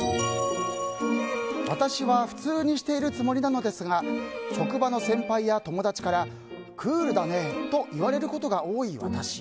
私は普通にしているつもりなのですが職場の先輩や友達からクールだねと言われることが多い私。